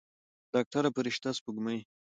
ډاکتره فرشته سپوږمۍ.